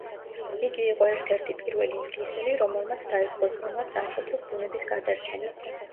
იგი იყო ერთ-ერთი პირველი ინგლისელი, რომელმაც დაიწყო ზრუნვა სამშობლოს ბუნების გადარჩენაზე.